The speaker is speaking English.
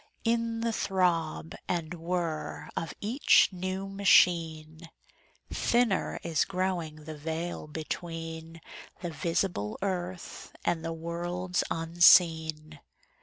In the throb and whir of each new machine Thinner is growing the veil between The visible earth and the worlds unseen.